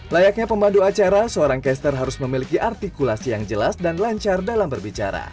layaknya pemandu acara seorang caster harus memiliki artikulasi yang jelas dan lancar dalam berbicara